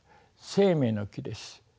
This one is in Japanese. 生命の樹です。